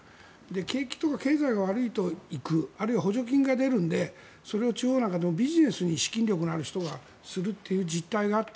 景気とか経済が悪いと行くあるいは補助金が出るのでそれを地方なんかはビジネスに資金力のある人がするという実態があって